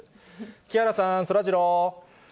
木原さん、そらジロー。